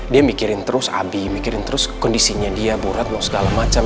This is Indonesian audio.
dia mikirin terus abi mikirin terus kondisinya dia burat mau segala macam